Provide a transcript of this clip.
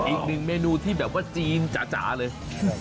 อีกหนึ่งเมนูที่แบบว่าจีนจ๋าเลย